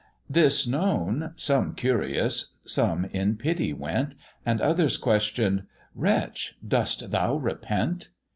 This known, some curious, some in pity went, And others question'd "Wretch, dost thou repent?"